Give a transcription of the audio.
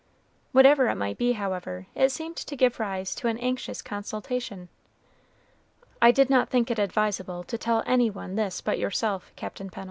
Whatever it might be, however, it seemed to give rise to an anxious consultation. "I did not think it advisable to tell any one this but yourself, Captain Pennel.